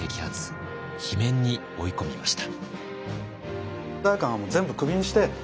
罷免に追い込みました。